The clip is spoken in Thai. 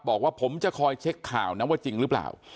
บอกว่าผมจะคอยเช็คข่าวนะว่าจริงหรือเปล่า